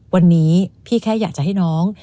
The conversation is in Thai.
วันนี้พี่แค่อยากจะให้น้อง